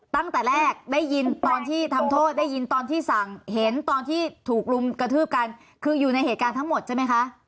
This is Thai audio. ตั้งแต่แรกได้ยินตอนที่ทำโทษได้ยินตอนที่สั่งเห็นตอนที่ถูกรุมกระทืบกันคืออยู่ในเหตุการณ์ทั้งหมดใช่ไหมคะ